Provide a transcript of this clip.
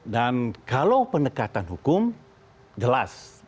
dan kalau pendekatan hukum jelas